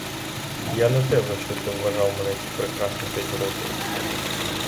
Я не те, за що ти вважав мене ці прекрасні п'ять років.